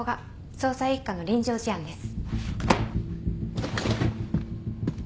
捜査一課の臨場事案です。